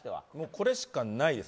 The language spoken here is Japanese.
これしかないです